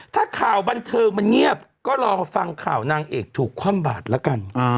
ถ้าข่าวบันเทิงมันเงียบก็รอฟังข่าวนางเอกถูกคว่ำบาดละกัน